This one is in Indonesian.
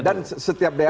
dan setiap daerah